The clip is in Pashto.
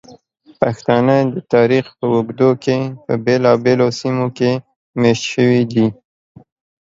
پښتانه د تاریخ په اوږدو کې په بېلابېلو سیمو کې میشت شوي دي.